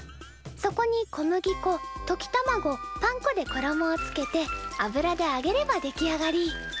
そこに小麦粉とき卵パン粉でころもをつけて油であげれば出来上がり！